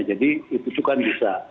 jadi itu juga bisa